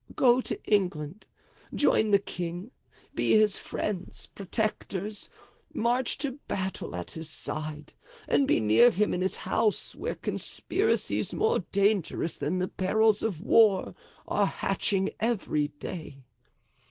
Go to England, join the king, be his friends, protectors, march to battle at his side, and be near him in his house, where conspiracies, more dangerous than the perils of war, are hatching every day.